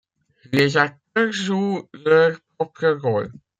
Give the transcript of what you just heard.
Les acteurs jouent leur propre rôle.